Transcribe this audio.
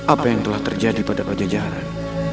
apa yang telah terjadi pada raja jaharan